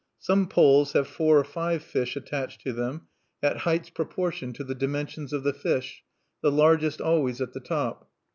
Some poles have four or five fish attached to them at heights proportioned to the dimensions of the fish, the largest always at the top.